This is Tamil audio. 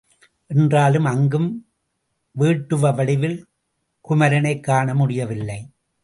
என்றாலும் அங்கும் வேட்டுவ வடிவில் குமரனைக் காண முடியவில்லை.